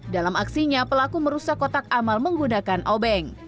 dalam aksinya pelaku merusak kotak amal menggunakan obeng